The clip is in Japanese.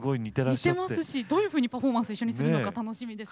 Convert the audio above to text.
似てますしどういうふうにパフォーマンス一緒にするのか楽しみですね。